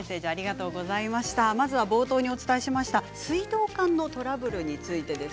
冒頭にお伝えしました水道管のトラブルについてです。